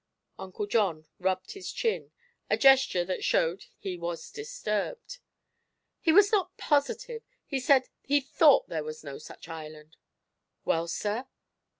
Uncle John rubbed his chin, a gesture that showed he was disturbed. "He was not positive. He said he thought there was no such island." "Well, sir?"